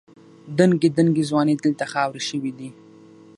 دنګې دنګې ځوانۍ دلته خاورې شوې دي.